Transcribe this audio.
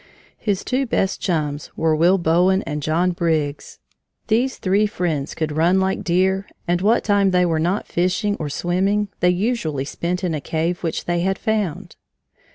His two best chums were Will Bowen and John Briggs. These three friends could run like deer, and what time they were not fishing or swimming they usually spent in a cave which they had found.